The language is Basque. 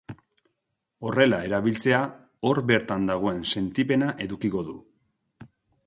Horrela erabiltzailea hor bertan dagoela sentipena edukiko du.